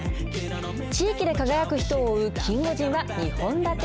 地域で輝く人を追うキンゴジンは２本立て。